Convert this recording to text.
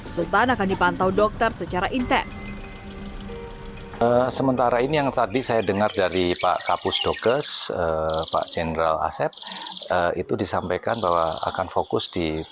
sultan akan dipantau dokter secara intens